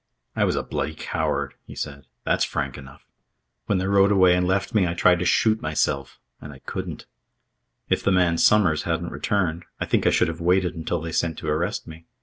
"I was a bloody coward," he said. "That's frank enough. When they rode away and left me, I tried to shoot myself and I couldn't. If the man Somers hadn't returned, I think I should have waited until they sent to arrest me.